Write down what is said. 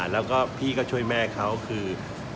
แล้วก็พี่ก็ช่วยแม่เขาคือ